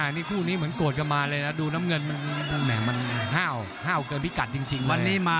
ไอ้เจ้าไอ้กล้ารบอ่ะนะ